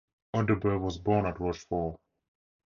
Audebert was born at Rochefort.